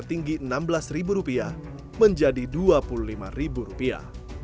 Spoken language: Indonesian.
tiga sampai situ bu sementara orang nggak buka